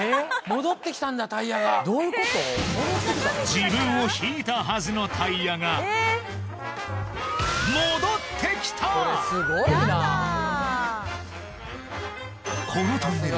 自分をひいたはずのタイヤがこのトンネル